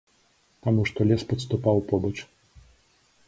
Таму што лес падступаў побач.